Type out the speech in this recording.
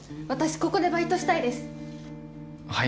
ここでバイトしたいですはい？